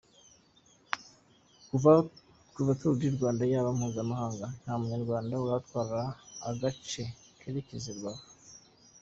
Kuva Tour du Rwanda yaba mpuzamahanga nta munyarwanda uratwara agace kerekeza I Rubavu.